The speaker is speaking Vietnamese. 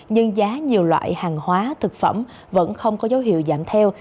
nhưng giá nhiều loại hàng hóa thực phẩm vẫn không có dấu hiệu giảm theo